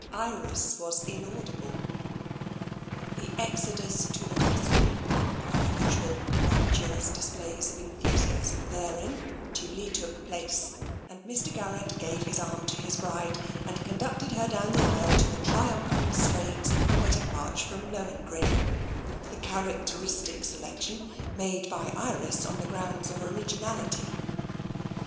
Iris was inaudible. The exodus to the vestry, and the usual rapturous displays of enthusiasm therein, duly took place, and Mr. Garrett gave his arm to his bride and conducted her down the aisle to the triumphant strains of the wedding march from Lohengrin — the characteristic selection made by Iris on the grounds of originality.